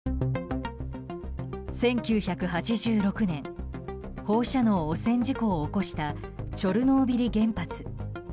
１９８６年放射能汚染事故を起こしたチョルノービリ原発。